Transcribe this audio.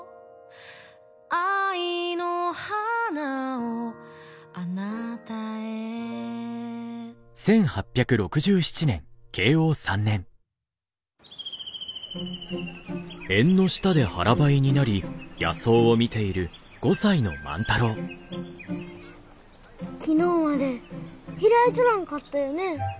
「愛の花を貴方へ」昨日まで開いちょらんかったよね？